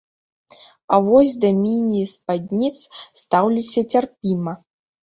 А вось да міні-спадніц стаўлюся цярпіма.